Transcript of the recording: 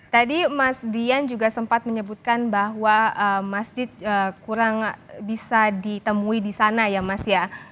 jadi mas dian juga sempat menyebutkan bahwa masjid kurang bisa ditemui di sana ya mas ya